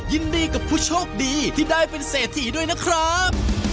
ยินดีกับผู้โชคดีที่ได้เป็นเศรษฐีด้วยนะครับ